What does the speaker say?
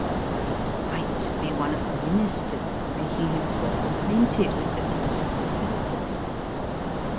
It might be one of the ministers making himself acquainted with the views of the people.